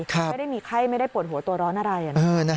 ไม่ได้มีไข้ไม่ได้ปวดหัวตัวร้อนอะไรนะ